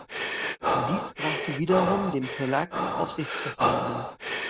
Dies brachte wiederum dem Verlag ein Aufsichtsverfahren ein.